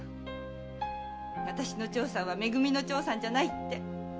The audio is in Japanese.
私の長さんはめ組の長さんじゃないって。